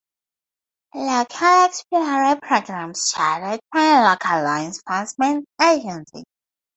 Local Explorer programs chartered by a local law enforcement agency.